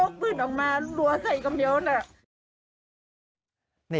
หัวใส่กำเยาะนะ